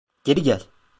Geri gel!